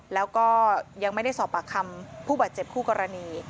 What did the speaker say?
แล้วก็ยังไม่ได้สอบปากคำผู้บาดเจ็บคู่กรณี